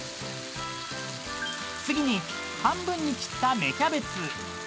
［次に半分に切った芽キャベツ］